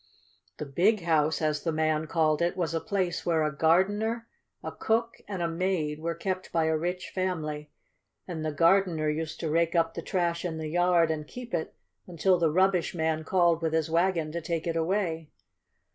The "Big House," as the man called it, was a place where a gardener, a cook, and a maid were kept by a rich family, and the gardener used to rake up the trash in the yard and keep it until the rubbish man called with his wagon to take it away.